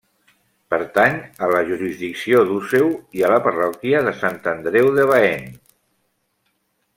Pertany a la jurisdicció d'Useu i a la parròquia de Sant Andreu de Baén.